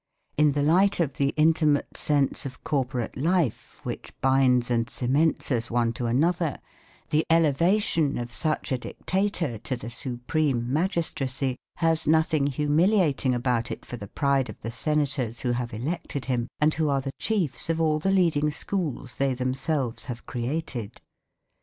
In the light of the intimate sense of corporate life which binds and cements us one to another, the elevation of such a dictator to the supreme magistracy has nothing humiliating about it for the pride of the senators who have elected him, and who are the chiefs of all the leading schools they themselves have created.